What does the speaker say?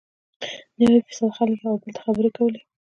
نوي فیصده خلکو یو او بل ته خبرې کولې.